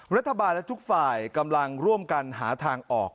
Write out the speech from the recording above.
รัฐบาลและทุกฝ่ายกำลังร่วมกันหาทางออก